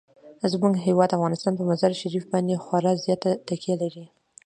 زموږ هیواد افغانستان په مزارشریف باندې خورا زیاته تکیه لري.